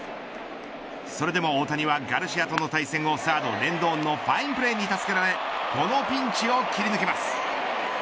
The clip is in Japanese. それでも大谷はガルシアとの対戦をサード、レンドンのファインプレーに助けられこのピンチを切り抜けます。